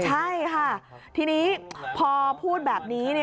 ใช่ค่ะทีนี้พอพูดแบบนี้